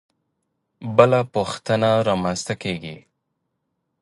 بله پوښتنه رامنځته کېږي.